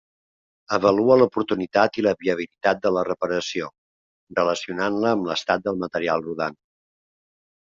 Avalua l'oportunitat i la viabilitat de la reparació, relacionant-la amb l'estat del material rodant.